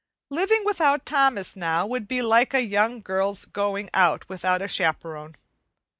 Living without Thomas now would be like a young girl's going out without a chaperone.